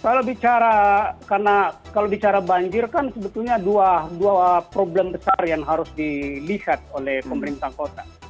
kalau bicara banjir kan sebetulnya dua problem besar yang harus dilihat oleh pemerintah kota